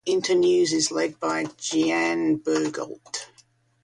Internews is led by Jeanne Bourgault.